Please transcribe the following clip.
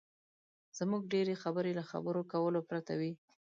زموږ ډېرې خبرې له خبرو کولو پرته وي.